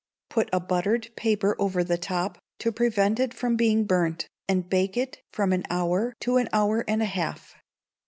Put a buttered paper over the top, to prevent it from being burnt, and bake it from an hour to an hour and a half.